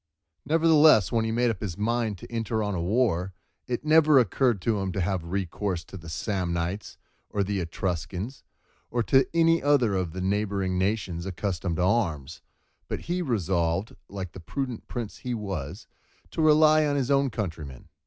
Nevertheless when he made up his mind to enter on a war, it never occurred to him to have recourse to the Samnites, or the Etruscans, or to any other of the neighbouring nations accustomed to arms, but he resolved, like the prudent prince he was, to rely on his own countrymen.